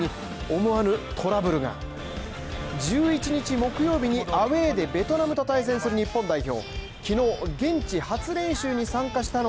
思わぬトラブルが１１日木曜日にアウェーでベトナムと対戦する日本代表